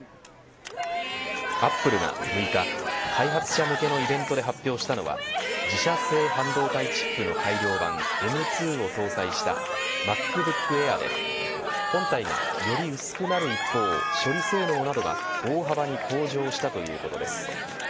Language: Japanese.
アップルが６日、開発者向けのイベントで発表したのは自社製半導体チップの改良版Ｍ２を搭載したＭａｃＢｏｏｋＡｉｒで本体がより薄くなる一方処理性能などは大幅に向上したということです。